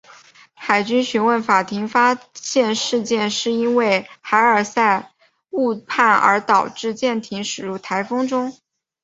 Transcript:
海军讯问法庭发现事件是因为海尔赛误判而导致舰队驶进台风中。